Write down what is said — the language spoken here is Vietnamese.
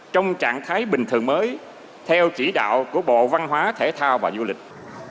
trong trạng thái bình thường mới theo chỉ đạo của bộ văn hóa thể thao và du lịch